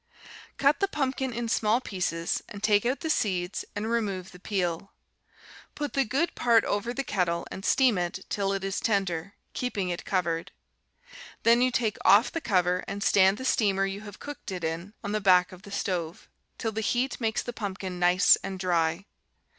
Cut the pumpkin in small pieces and take out the seeds and remove the peel. Put the good part over the kettle and steam it till it is tender, keeping it covered. Then you take off the cover, and stand the steamer you have cooked it in on the back of the stove, till the heat makes the pumpkin nice and dry.